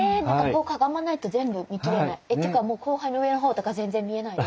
こうかがまないと全部見きれない。というか光背の上の方とか全然見えない。